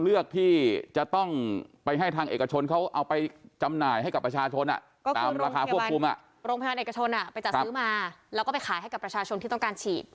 เพราะว่าโรงพยาบาลเอกชนไปจัดซื้อมาแล้วก็ไปขายให้กับประชาชนที่ต้องการฉีด